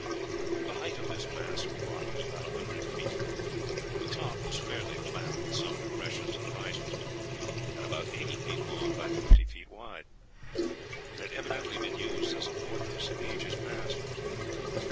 "The height of this mass of rock was about a hundred feet; the top was fairly flat, with some depressions and risings, and about eighty feet long by fifty wide. It had evidently been used as a fortress in ages past.